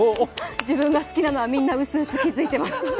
自分が好きなのはみんな薄々気付いています。